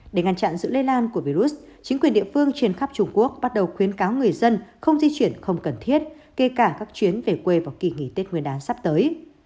để ngăn chặn sự lây lan của virus chính quyền địa phương trên khắp trung quốc bắt đầu khuyến cáo người dân không di chuyển không cần thiết kể cả các chuyến về quê vào kỳ nghỉ tết nguyên đán sắp tới